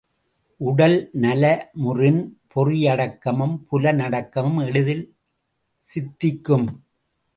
உடல் நலமுறின் பொறியடக்கமும் புலனடக்கமும் எளிதில் சித்திக்கும்.